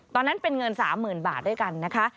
ตอนนั้นเป็นเงิน๓๐๐๐บาทด้วยกันนะคะ